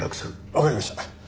わかりました。